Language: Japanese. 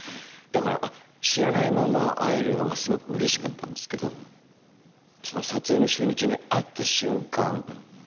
だから知らないまま会えるのはすごくうれしかったんですけど撮影の初日に会った瞬間